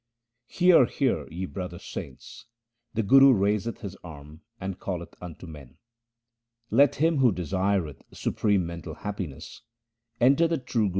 Hear, hear, ye brother saints ; the Guru raiseth his arm and calleth unto men. Let him who desireth supreme mental happiness, enter the true Guru's protection.